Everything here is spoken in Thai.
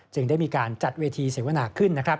จึงได้มีการจัดเวทีเสียวนาขึ้น